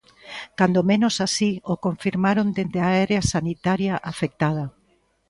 Cando menos así o confirmaron desde a área sanitaria afectada.